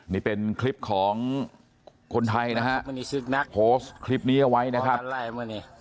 นี่เป็นคลิปของคนไทยนะฮะโพสต์คลิปนี้เอาไว้นะครับ